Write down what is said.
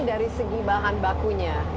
dari segi bahan bakunya